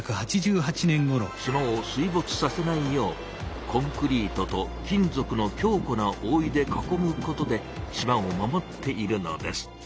島を水ぼつさせないようコンクリートと金ぞくの強固なおおいで囲むことで島を守っているのです。